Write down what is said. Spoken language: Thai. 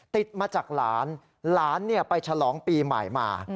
ติดมาจากหลานหลานไปฉลองปีใหม่มา